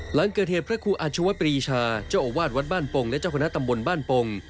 หลังเกิดเหตุพระครูอาชวปรีชาเจ้าอาวาสวัดบ้านปงและเจ้าคณะตำบลบ้านปง